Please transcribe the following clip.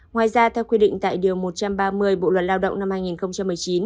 ngoài ra theo quy định tại điều một trăm ba mươi bộ luật lao động năm hai nghìn một mươi chín